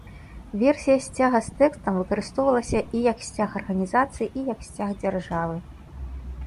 Версія сцяга з тэкстам выкарыстоўвалася і як сцяг арганізацыі, і як сцяг дзяржавы.